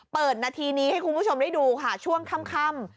นาทีนี้ให้คุณผู้ชมได้ดูค่ะช่วงค่ำ